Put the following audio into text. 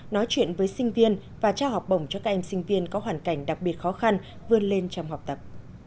nói chuyện với sinh viên và trao học bổng cho các em sinh viên có hoàn cảnh đặc biệt khó khăn vươn lên trong học tập